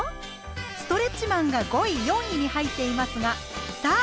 「ストレッチマン」が５位４位に入っていますがさあ